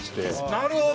なるほど！